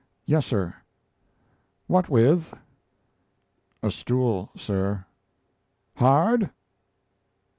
"Yes, sir." "What with?" "A stool, sir." "Hard?"